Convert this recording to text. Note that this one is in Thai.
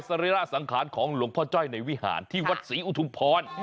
รีระสังขารของหลวงพ่อจ้อยในวิหารที่วัดศรีอุทุมพร